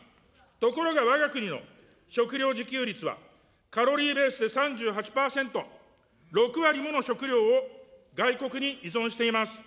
ところがわが国の食料自給率はカロリーベースで３８％、６割もの食料を外国に依存しています。